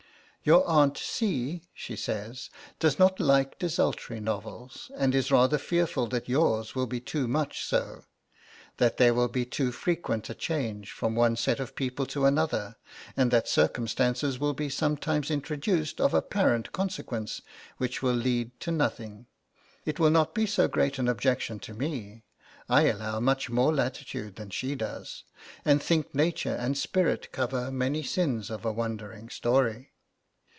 'Your aunt C.,' she says, 'does not like desultory novels, and is rather fearful that yours will be too much so that there will be too frequent a change from one set of people to another, and that circumstances will be sometimes introduced of apparent consequence, which will lead to nothing. It will not be so great an objection to me. I allow much more latitude than she does, and think nature and spirit cover many sins of a wandering story....'